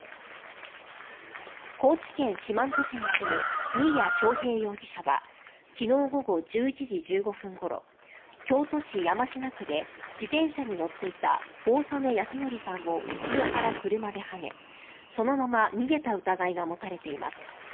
高知県四万十市に住む新谷尚平容疑者は昨日、午後１１時１５分ごろ京都市山科区で自転車に乗っていた大曽根康徳さんを後ろから車ではねそのまま逃げた疑いがもたれています。